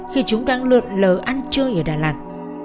khi chúng đang lượn lờ ăn chơi ở đà lạt